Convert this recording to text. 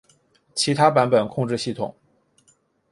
其他版本控制系统